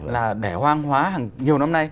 là đẻ hoang hóa nhiều năm nay